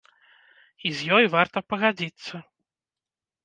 І з ёй варта пагадзіцца.